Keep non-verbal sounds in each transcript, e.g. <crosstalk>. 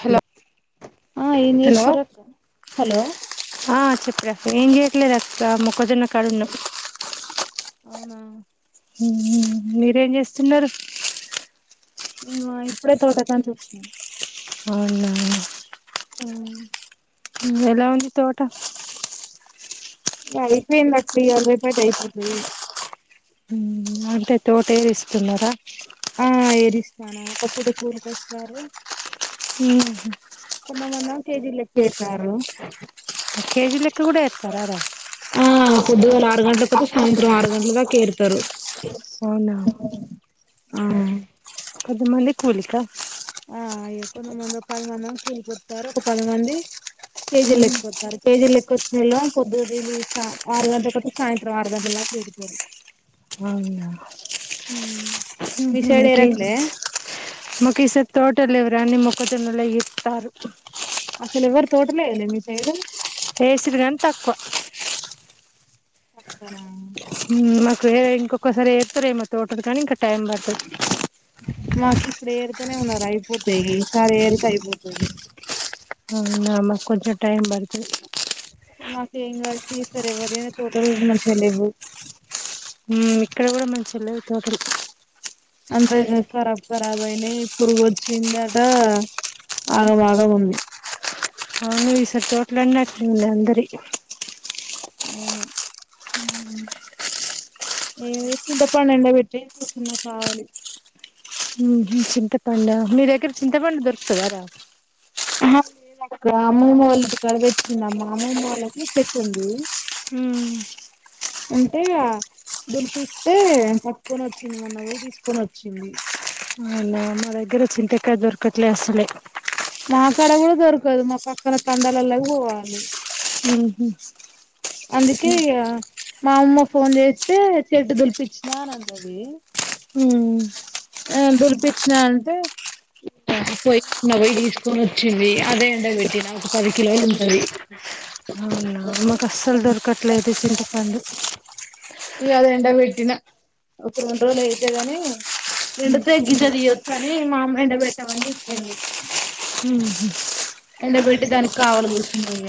Hello ఆ ఏం hello చేస్తురక్క హలో చెప్ప రా ఏం చెయ్యట్లేదు అక్క తము కొదిన్న కడున్నకు అవునా మీరేం చేస్తున్నారు నేను ఇప్పుడే తోటకాని నుంచి వచ్చిన అవునా ఆ ఎలా ఉంది తోట ఇ అయిపోయింది క్ వల రైపు అయితే అయిపోతుది అంటే తోటేది ఇస్తున్నారా ఆ ఏరిస్తాను అప్పుడు కూలికొస్తారు హ కి జీ లేక్క యేసినారు కేజీ లెక్క కూడా ఇస్తారా అడా పొద్దుగాేల ఆరు గంటల కోస సాయంత్రం ఆరు గంటల కారుతారు అవునా ఆ కొంత మంది కూలిక ఆ అయ కొంతమంది పదిమంది కూలి కోస్తారు ఒక పదిమంది కేజీ ఎత్పోతారు కేజీ ఎ వచ్చినళ్లం పొద్దురులీ ఆరు గంటల కొ సాయంత్రం ఆరు గంటలలా పెడతారు అవున ఉమ్ హ్మ్మ్ మీ హుమ్ సైడ్ ఒకే ఏరట్లే మాకి ఈసారి థర్డ్ డెలివరా అని మొక్కజొన్నలు ఇస్తారు అసలు ఎవరు తోటలే యెయ్యలేద మీ సైడు ఏసీది కానీ తక్కువ అట్టనా మాకు వేరే ఇంకొక్కసారి ఏస్తారేమో తోటది కానీ ఇంకా టైం పడుతుంది మాకి ఇప్పుడు ఏరితేనే ఉన్నారు అయిపోతాయి ఈసారి ఏరితే అయిపోతది అవు నా మా కొంచెం టైమ్ పడుతుంది మాకు ఏం కసినయి ఈ సారి ఎవరి తోటలు మంచిగా లేవు ఇక్కడ కూడా మంచి లేదు తోటలు అంత రాబ్ ఖరాబ్ అయినాయి పురుగు వచ్చిందట ఆగ బాగా ఉంది అవును ఈసరి తోట్లన్న అట్లే ఉన్నయ్ అందరి అవును ఏ చింతపండు ఎండ పెట్టి కూర్చున్నా కావాలి ఉమ్ హామ్ చింతపండా మీద్దగర చింతపండు దొరుకుతదా రా క్క అమ్మమ్మ వాళ్ళ కడపిచ్చింది అమ్మ అమ్మమ వాళ్ళకి చెట్టు ఉంది అంటే దులిపిస్తతే పట్టుకొని వచ్చింది మొన్న పోయి తీసుకొని వచ్చింది అవునా మా దగ్గర చింతకాయా దొరకట్లే అసలే నా కాడా కూడా దొరకదు మా పక్కన కండలలా పోవాలి ఉమ్ అందుకే హ్మ్మ్ ఇగ మా అమ్మ ఫోన్ చేస్తే చెట్టు దులిపిచ్చినా అని అన్నది ఉ ఆ దులిపచ్చినా అంటే పొయ్యిన్న పొయ్యి తీసుకొని వచ్చింది అదే అంట పెట్టినా ఒక పది కిలోలు ఉంటది అవునా మాకు అస్సలు దొరకట్లేదు చింతపండు ఇక అద ఎండ పెట్టిన ఒక రెండు రోజులు అయితేగాని నిండతే గింజ తీయచ్ అని మా అమ్మ ఎండ పెట్టమని చెప్పింది ఉహు కావాలీ కూసున్దరి ఇగ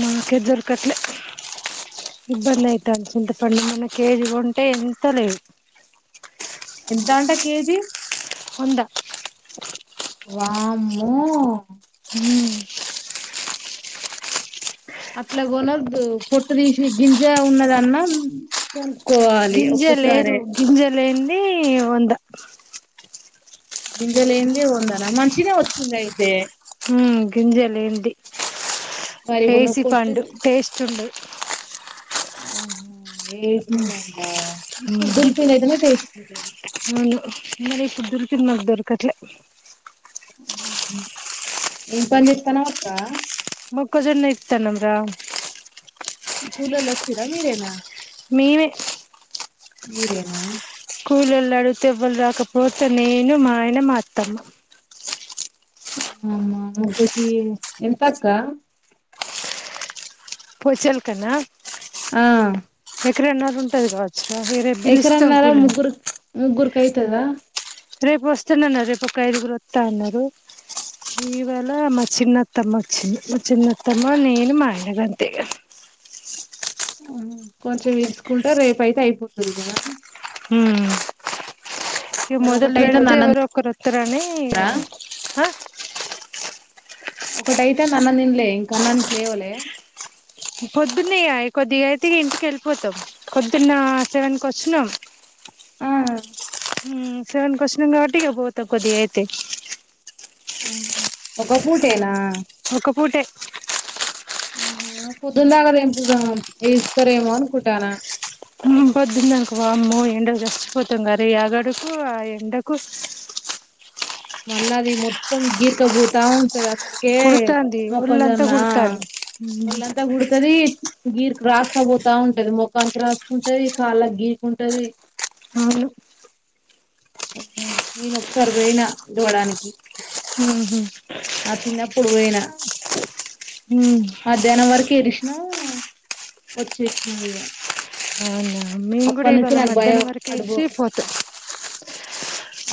మాకె దొరకట్లే ఇబ్బందియితాంది చింతపండు మొన్న కేజి కొంటే ఎంతలేదు ఎంత అంట కేజీ వంద వామ్మో ఉమ్ అట్లా కొనద్దు పొట్టు తీసి గింజ ఉన్నదన్న గింజ లేదు గింజ లేంది వంద బ గింజలేంది కొన్నారా మంచిదే వచ్చింది అయితే హు గింజ లేనిది మరి ఇప్పుడు నువ్వు ఏసి పొట్టు పండు టేస్ట్ ఉంటా ది ఆహ వేసికోండా ఇప్పుడు దులిపిండైతేనే తే అవును మరి ఇప్పుడ్ దుల్పింది నాక్ దొరకట్లే ఏం పని చెత్తన్నవ్ అక్క మొక్కజొన్న ఎత్తన్నం రా కూలోళ్ళు ఒచ్చిన్ర మీరేనా మీవే మీరేనా స్కూలళు అడిగితేవ్వళ రాకపోతే నేను మా ఆయన మా అత్తమ్మ అవునా ముగ్గుకి ఎంత అక్క పోచల్కనా ఆ ఎక్కడ ఎన్న ఉంటది కాదా ఎకరన్నారా ముగ్గురు ముగ్గురు కైతద రేపు వస్తానన్నర్ రేపు ఒక ఐదుగురు వస్తా అన్నారు ఇవళ మా చిన్నత్తమ్మ వచ్చింది మా చిన్నత్తమ్మ నేను మా ఆయన గంతే కొంచెం విస్కుంటే రేపు అయితే అయిపోతది కదా మ్ ఇగ మరి మొదల్ ఒకటి అయితంది బెడితే అన్న ఎవరో ఒకర్ రొత్తరని ఇగ రా ఒకటైతాంది అన్నం తిన్లే ఇంకా అన్నాని లేవలే పొద్దున్నేయాయే కొద్దిగయితే ఇగ ఇంటికెళ్ళిపోతం. పొద్దున్నా సెవెకొచ్చినం ఆ మ్ సెవెకొచ్చినం కాబట్టీ ఇగ పోత కొద్దిగయితే ఆ ఒక పూటేనా ఒక్క పూటే ఆ పొద్దున్న తాకాద ఏం వస్తారేమో అనుకుంటానా ఉమ్ పొద్దుందనుకో వామ్మో ఎండ చచ్చపోతాం క రే ఆగడకు ఆ ఎండకు మళ్ళ అది మొత్తం గీర్కబోతా అసలుకే కుడుతాంది మొక్కజో ఒళ్ళంతా న్న కుడుతాంది మ్మ్ ఒళ్ళంతా గుడతుది గీర్క రాసక పోతా ఉంటది మొఖానికి రాసుకుంటది కాళ్ళకి గీరికింటది అవును నేను ఒక్కసారి పోయినా దూడానికి ఆహా నా చిన్నపుడు ఓయిన హ మధ్యాహ్నం వరకు ఎరిసినా వచ్చేసినా అయ్యా అవునా మేము కూడా అప్పాఅన్ చ్చి ఇవాళ నకు భయం మధ్యాహ్నం వరకు అడుపు ఇడిచి పోతాం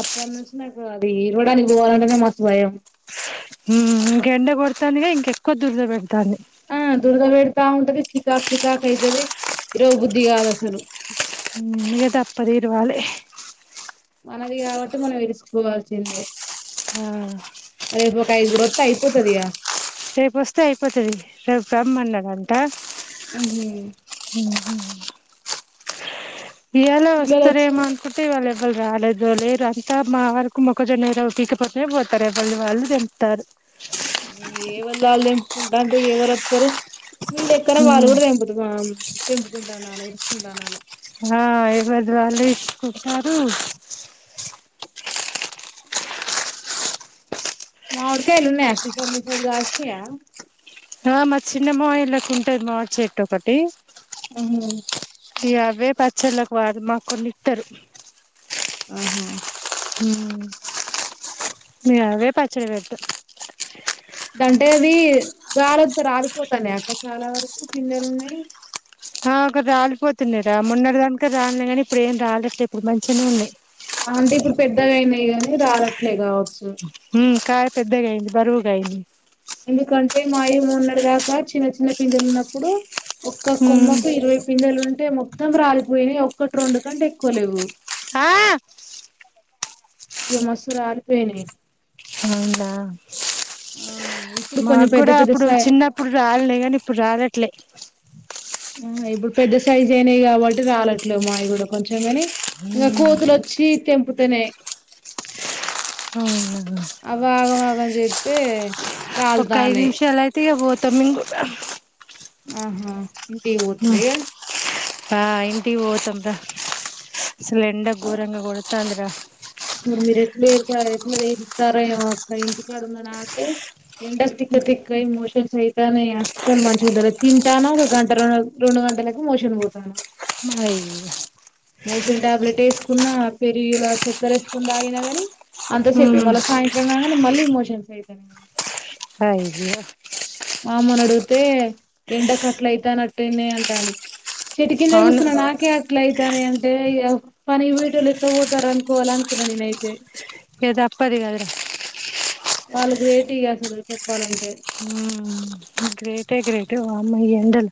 అప్పాఅన్ చి నాక్ అది ఇవడానికి పోవాలంటేనే మస్తు భయం హ గెండ కొడతానుగా ఇంక ఎక్కువ దూర్ద పెడతాఅన్ ది దుర్ద పెడతా ఉంటది చికాక్ చికాక్ అయితది ఇరో బుద్ధి కాదు అసలు ఇగడప్పదుఇరవాలి మనది కాబట్టి మనం విరుసుకోవాల్సిందే ఆ ఇకొక్క ఐదు గురు వస్తే అయిపోతదిగా రేపు వస్తే అయిపోతది రేపు రమ్మన్నారంట హ <inaudible> ఇయ్యాలా పిల్లలు వచ్చి వస్తారేమె అనుకుంటే ఇవళ వాళ్ళు రాలేదు దోలే అంతా మా వరకు మొక్క జొన్నఏదో పికపోతే పోతరు ఎవళది వాళ్ళు తెం పుతారు కుంటా అంటే ఎవరు వస్తరు మీ లెక్కనా వాళ్ళు గూడ తెంపుతర తెంపుకుంట తను అలా ఏడ్చుకుంటు అనలే అ ఎవరిది వల్లే ఇచ్చుకుంటారు మామిడి కాయలు అక్క ఉన్నాయా ఈ సారి మీ సైడ్ కాశీనాయ అ మా చిన్న మావయోళ్ళకి ఉంటది మామిడి చేట్టు ఒకటి ఉహు ఇగా అవే పచ్చళ్ళకు వాడ మాకు కొన్ని ఇస్తరు ఆహా ఉమ్ మే అవే పచ్చడి వేట్ దన్ టే ది గాలోతే రాలిపోతానై అక్క చాలా వరకు పిందల్ ఉన్నాయి ఆ అకడ్ రాలిపోతున్నైరా మోనాట్టి దాంక రాల్నై కానీ ఇప్పుడు ఏం రాలేట్లే ఇప్పుడు మంచిగానే ఉన్నాయి అ అంటే ఇప్పుడు పెద్దగఅయిందని రాలట్లేగా హ్మ్ కాయ పెద్దగాయినంది బరువుగ అయింది ఎందుకంటే మాయి మొన్నడి దాకా చిన్న చిన్న పీందేళ్ళు ఉన్నప్పుడు ఒక్క అయింది కొమ్మకు ఇరవై పిందలు ఉం అంటే మొత్తం రాలిపోయినయి ఒక్కటి రెండు కంటే ఎక్కువ లేవు అ అ ఇగ మస్త్ రాలిపోయినై అవునా అ మాకు గూడా అప్పుడు చిన్నప్పుడు రాలినై గాని ఇప్పుడు రాలట్లే ఉ ఇప్పుడు పెద్ద సైజ్ అయినయి కాబట్టి రాలట్లే మాయిగూడ కొంచెం కాని ఇంగా కోతులు ఓచ్ చీ తెంపు తనే హ అవును అవ్వ ఆగం ఆగం జేతే ఒక్క ఐదు నిమిషాలు అయితే ఇగా పో తమింగూడ ఆహా ఇంటికి పోతర ఇగా ఆ ఇంటికి వోతంరా ఆసలే ఎండ గోరంగా గొడ్తంది రా మీరు ఎట్లాయ్ తే అ ఎట్లా ఎల్తారో ఏమో అక్క ఇంటికాడ ఉన్న నాకే ఎండ తిక్క తిక్క అయి మోషన్స్ అయితనైయి అసలు మంచిగుంటలేదు తింటాను ఒక గంట రెండు రెండు గంటలకు మోషన్ పోతాన అయ్యో మోషన్ టాబ్లెట్ వేసుకున్నా పెరిగులా చక్కర ఎస్కొని తాగిన గానీ అంతసేపుే ఉమ్ మళ్ళీ సాయంత్రం కాగానే మళ్ళీ ఇమోషన్స్ అయితాన్నాయి అయ్యే మా అమ్మను అడుగ్ తే ఎండకట్ల అయితానట్టే నే అంటాంది చెట్టు కింద అవును గుస్సన నాకే ఎట్ల అయితనే అంటే పని వీటిళు ఎట్లా పోతారు అనుకోవాల అనుకున్నాను నేనైతే ఏద అప్పదిగద్ రా వాళ్ళు గ్రేట్ ఇ అసలు చెప్పాలంటే ఉమ్ గ్రేటే గ్రేటే వామ్మో ఇ ఎండలు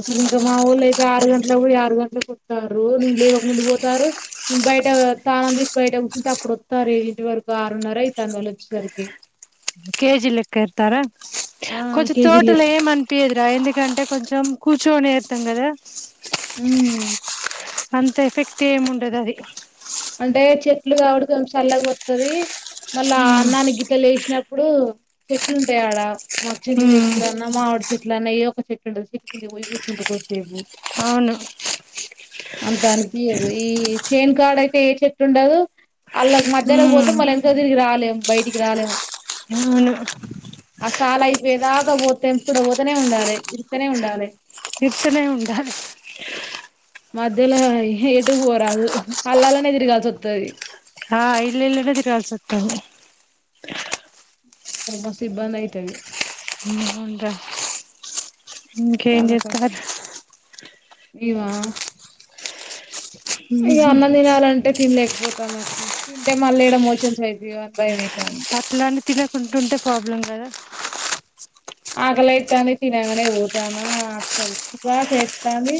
అసలు ఇంకా మా ఊళ్ళు అయితే ఆరు గంటలకు ఆరు గంటలకు వత్తారు నేను లేవక ముందు పోతారు నేను బయట తానం చేసి బయట కూర్చుంటే అప్పుడ వస్తారు ఇంటి వరకు ఆరున్నర అయి తాంద వళ్ళు వచ్చేసరికి కేజీ లెక్క ఇత్తారా ఆ కొంచెం కేజీలు తోటలు ఏం అనిపి దురా ఎందుకంటే కొంచం కూచోనేే ఏత్తం కదా ఉమ్ అంత ఎఫెక్ట్ ఏమి ఉండదు అది అంటే చెట్లు కాబట్టి కొంచెం చల్లగా వత్తది మళ్ళా ఆ ఉమ్ అన్నాన్ని గిట్ల లే సినప్పుడు ఇప్పుడు చెట్లు ఉంటాయి. ఆడ మా చింత ఉమ్ చెట్లు అన్నా, మా మి డి చెట్లు అన్నా, ఏ ఒక్క చెట్లు ఉంటది. చెట్టు కిందకి పోయి కూర్చుంట కొద్ది సేపు అవును అంత అనిపియదు ఇ చ్చే న్ కాడ చెట్టు ఉండదు ఆళ్లకు మధ్యలో పోతే ఉమ్ మళ్ళీ వెనుకక్కు తిరిగి రాలేము బయటికి రాలేము అవును ఆ సాల అయిపోయేదాకా పోతేం తెంపుకుంట పోతనే ఉండాలి తెంపుతనే ఉండాలి తెంపుతనే ఉండాలి, మధ్యలో ఎటు పోరాదు అల్లాలనే తిరగాల్సి వస్తది ఆ ఇల్ల ఇల్ల తిరగాల్స్ ఒస్తది ఓ మ స్త్ ఇబ్బంద అయితది అంటా ఇంకేం చేస్తారు ఇవా హమ్ మ్ అంటే తినలేకపోతాన్న అక్క తింటే మళ్ళీమోషన్స్ అయిత అన్ భయం అయితాంది. అట్లని తినకుంటుంటే ప్రాబ్లం కదా ఆకలి అయి తాంది తినగానే పోతానా అసలు చికాకు ఏత్తాంది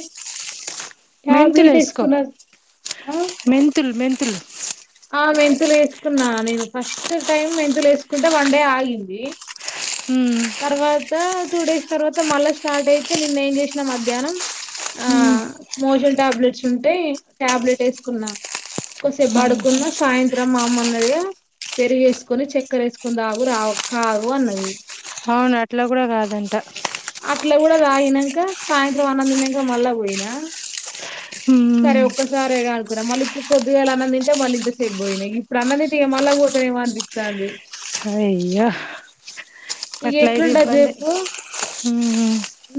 మెంతుల్ ఎస్కో ఆ మెంతుల్ మెం ఆ మెంతులు వేసుకున్నా నేను ఫస్ట్ టైం మెంతులు వేసుకుంటే వన్ డే ఆగింది తర్వాత టూ డేస్ తర్వాత మళ్ళ స్టార్ట్ అయిద్ది నిన్న ఏం చేసిన మధ్యాహ్నం ఆ మోషన్స్ టాబ్లెట్స్ ఉంటాయి టాబ్లెట్ వేసుకున్న కొసేపు పడుకున్న సాయంత్రం మామ్మన్నదిగా పెరిగి వేసుకొని చెక్కర్ వేసుకుని తాగు రావు కావుఅన్నది అవును అట్లా కూడా కాదంట అట్లా కూడా తాగినంక సాయంత్రం అన్నంది నంక మళ్ళా పోయినా సరే ఒక్క సారే గ మళ్ళీ ఇప్పుడు పోద్దుగాల అన్నం తింటే మళ్ళ ఇంతసేపు పోయినా ఇప్పుడు అన్నంతింటే ఇ గ మళ్ళీ పోతన్నామో అనిపిస్తాంది అయ్యో ఇక అట్ల ఇది ఎట్లుంట ది ఇబ్బంది జేప్పు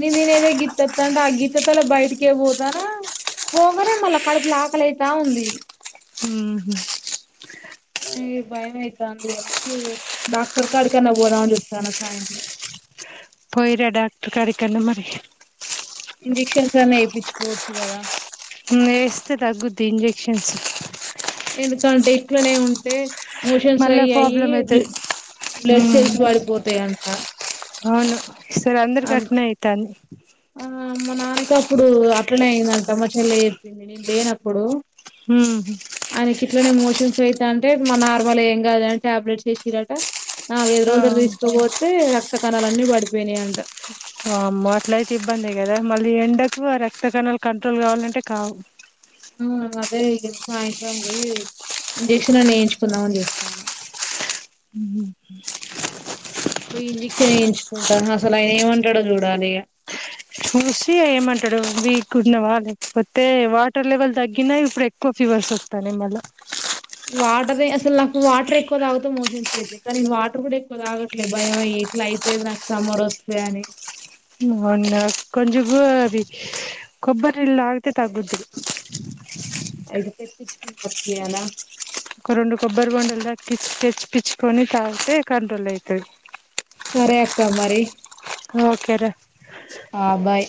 న నేను ఏదో గి తెత్తంటే ఆ గీత తల బయటికే పోతానా పోగానే మళ్ళా కడుపు ఆకలైతా ఉంది హమ్ ఏ భయం అయితాంది అ డాక్టర్ కాడికన్నా పోతా సాయంత్రం పోయిరా డాక్టర్ కాడి కన్న మరి ఇంజెక్షన్స్ అని వేయించుకోవచ్చు కదా న ఎస్తే తగ్గుద్ది ఇంజెక్షన్స్ ఎందుకంటే ఇక్కడనే ఉంటే మోషన్స్ మళ్ళా అయి అయి ప్రాబ్లమ్ బ్ల అయితది బ్లడ్ హ సెల్స్ పడిపోతాయంట అవును సర అందరు అం కట్నే అయిత అంది ఆ మా నాన్నక అప్పుడు అట్లనే అయిందంట మా చెల్ల చెప్పింది నేను లేన అప్పుడు అయినాకి కట్లానే మోష న్ అయి అంటే మ నార్మల్ ఏం కాదని టాబ్లెట్స్ వసిరట నావ ఆ ఎదరు తీసుకోబో అయితే రక్త కణాలన్నీ పడిపోయినాయియంట అమ్మో అట్లయితే ఇబ్బంది కదా మళ్ళీ ఎండకు ఆ రక్త కణాలు కంట్రోల్ కావాలంటే కావు ఆ అదే ఇ సాయంత్రం పోయి ఇంజక్షన్ అ వేయించుకుందామని చూస్తాను పో ఇంజక్షన్ వేయించుకుంటారు అసలు ఆయన ఏమంటాడో చూడాలి చూసి ఏమంటాడు వీక్నవా లేకపోతే వాటర్ లెవెల్ తగ్గినా ఇప్పుడు ఎక్కువ ఫీవర్స్ వస్తాను మలా వాటర్ అసలు నాకు వాటర్ ఎక్కువ తాగుత మోషన్స్ అయితే కా నేను వాటర్ కూడా ఎక్కువ తాగట్లేదు భయంమయ్య ఇట్లా అయితే నాకు సమ్మర్ వస్తే అని నవున్న కొజగూ అది కొబ్బరి ఎల్ ఆగతే తగద్ది అది తెప్పించుకుకయనా ఒక రెండు కొబ్బర్ గం ఎల్ కిచ్చ కచ్చ పిచ్చుకొని తావతే కరంటోల్ అయితుది సరే అక్క మరి ఓకేరే ఆ బాయ్